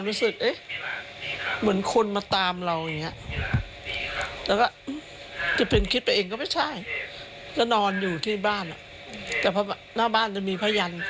เต็มตัวตลอดเวลาอยู่ข้างนอก